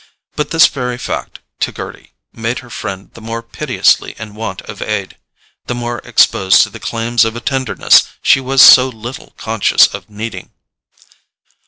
But this very fact, to Gerty, made her friend the more piteously in want of aid, the more exposed to the claims of a tenderness she was so little conscious of needing.